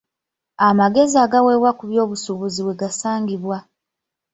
Amagezi agaweebwa ku by'obusuubuzi we gasangibwa.